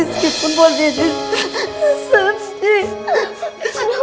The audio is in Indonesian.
disini pun buat diri sendiri